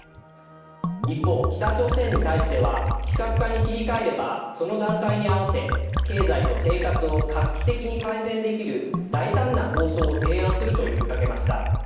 一方、北朝鮮に対しては非核化に切り替えればその段階に合わせ、経済と生活を画期的に改善できる大胆な構想を提案すると呼びかけました。